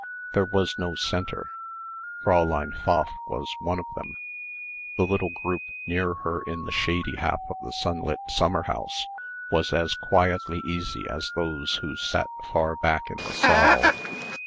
There was no centre; Fräulein Pfaff was one of them. The little group near her in the shady half of the sunlit summer house was as quietly easy as those who sat far back in the saal.